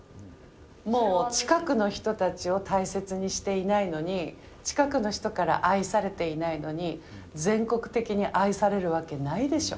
もう、近くの人たちを大切にしていないのに、近くの人から愛されていないのに、全国的に愛されるわけないでしょ。